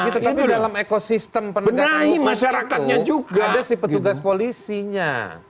tapi dalam ekosistem penegak penegak itu ada si petugas polisinya